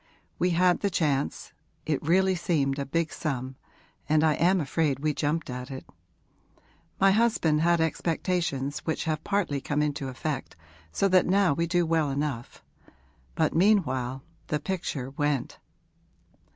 We had the chance; it really seemed a big sum, and I am afraid we jumped at it. My husband had expectations which have partly come into effect, so that now we do well enough. But meanwhile the picture went.'